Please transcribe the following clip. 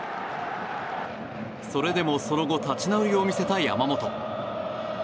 それでもそのあと立ち直りを見せた山本。